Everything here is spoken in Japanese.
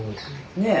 ねえ。